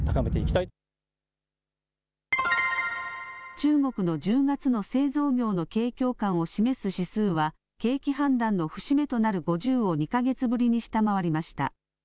中国の１０月の製造業の景況感を示す指数は景気判断の節目となる５０を２か月ぶりに下回りました。